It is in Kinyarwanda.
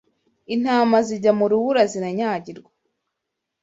Intama zijya mu rubura ziranyagirwa